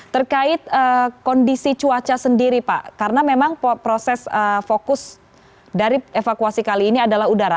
terkait kondisi cuaca sendiri pak karena memang proses fokus dari evakuasi kali ini adalah udara